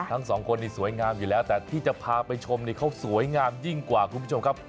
ทั้งสองคนนี้สวยงามอยู่แล้วแต่ที่จะพาไปชมนี่เขาสวยงามยิ่งกว่าคุณผู้ชมครับ